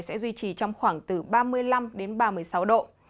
sẽ duy trì trong khoảng từ ba mươi năm đến ba mươi sáu độ